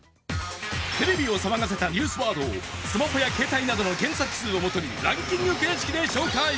テレビを騒がせたニュースワードをスマホや携帯などの検索数をもとにランキング形式で紹介